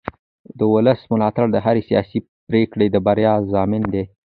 د ولس ملاتړ د هرې سیاسي پرېکړې د بریا ضامن دی